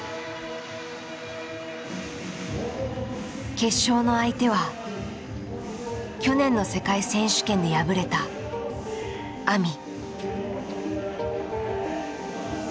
決勝の相手は去年の世界選手権で敗れたＡＭＩ。